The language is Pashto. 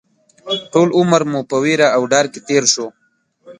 ټول عمر مو په وېره او ډار کې تېر شو